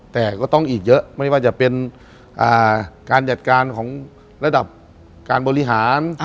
แต่ก็ต้องอีกเยอะไม่ว่าจะเป็นการจัดการของระดับการบริหาร